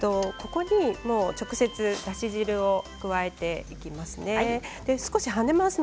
ここに直接だし汁を加えていきます。